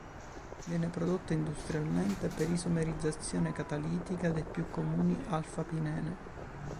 Viene prodotto industrialmente per isomerizzazione catalitica dei più comuni alpha-Pinene.